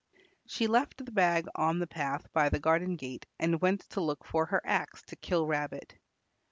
She left the bag on the path by the garden gate and went to look for her axe to kill Rabbit.